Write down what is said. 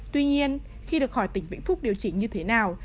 tuy nhiên khi được hỏi tỉnh vĩnh phúc điều chỉnh như thế nào